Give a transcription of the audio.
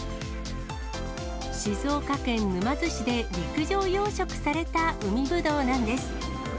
静岡県沼津市で陸上養殖された海ぶどうなんです。